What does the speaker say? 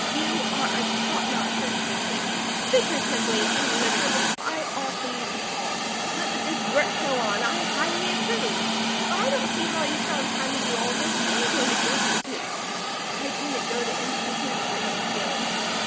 "You are a top notcher," said Kate. "Figuratively and literally, I offer you the palm. Let the good work go on! I highly approve; but I don't see how you found time to do all this and go to Institute." "I didn't go to Institute," said Nancy Ellen.